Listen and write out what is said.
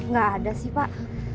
gak ada sih pak